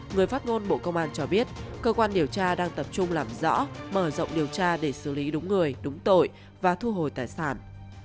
người phát ngôn bộ công an cho biết cơ quan điều tra đang tập trung làm rõ mở rộng điều tra để xử lý đúng người đúng tội và thu hồi tài sản